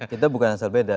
kita bukan asal beda